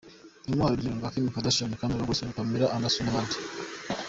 Yamuhaye urugero rwa Kim Kardashian, Kendra Wilkinson, Pamela Anderson n’abandi.